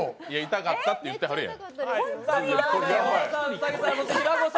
痛かったって言ってはるやん。